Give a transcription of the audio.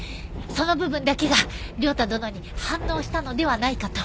その部分だけが涼太殿に反応したのではないかと。